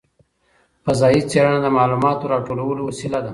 فضايي څېړنه د معلوماتو راټولولو وسیله ده.